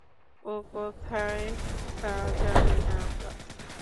ও কোথায়, তা জানি না আমরা।